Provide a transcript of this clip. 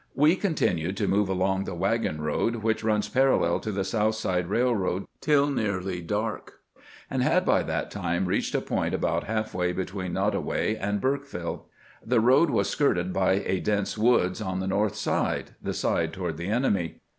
We continued to move along the wagon road which runs parallel to the South Side Eailroad till nearly dark, and had by that time reached a point about half way between Nottoway and Burke viUe. The road was skirted by a dense woods on the north side — the side toward the enemy.